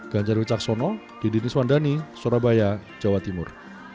ganjarwicaksono didi niswandani surabaya jawa timur